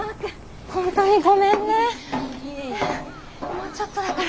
もうちょっとだから。